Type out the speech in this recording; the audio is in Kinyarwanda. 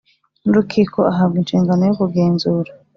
n urukiko ahabwa inshingano yo kugenzura